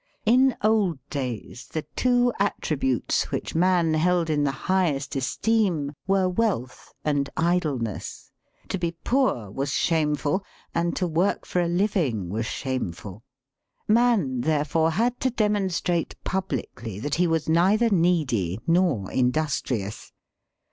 In old days the two attributes which man held in the highest esteem were wealth and idleness. To be poor was shame ful, and to work for a living was shameful. Man, therefore, had to demonstrate publicly that he was neither needy nor industrious.